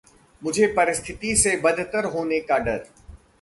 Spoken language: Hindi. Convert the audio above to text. मुझे परिस्तिथि के बदतर होने का डर है।